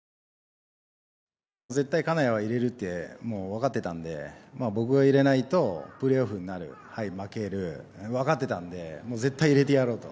絶対、金谷は入れるって分かってたんで僕が入れないとプレーオフになるはい、負ける、分かってたんで絶対入れてやろうと。